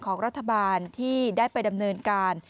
ของรัฐบาลที่ได้ไปดำเนินการ